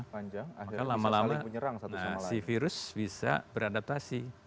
maka lama lama si virus bisa beradaptasi